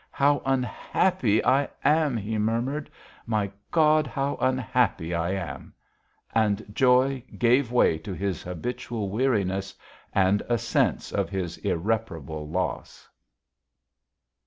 "How unhappy I am!" he murmured. "My God, how unhappy I am!" And joy gave way to his habitual weariness and a sense of his irreparable loss.